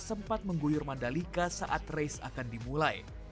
sempat mengguyur mandalika saat race akan dimulai